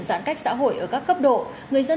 giãn cách xã hội ở các cấp độ người dân